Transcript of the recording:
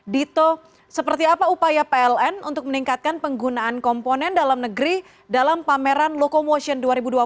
dito seperti apa upaya pln untuk meningkatkan penggunaan komponen dalam negeri dalam pameran lokomotion dua ribu dua puluh satu